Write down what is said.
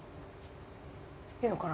いいのかな？